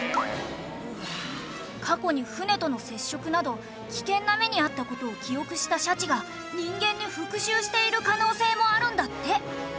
過去に船との接触など危険な目に遭った事を記憶したシャチが人間に復讐している可能性もあるんだって。